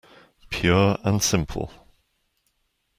Pure and simple.